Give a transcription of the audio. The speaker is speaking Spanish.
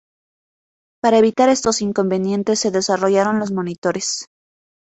Para evitar estos inconvenientes se desarrollaron los monitores.